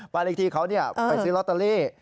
บาริกฏีเขาเนี่ยไปซื้อลอตเตอรี่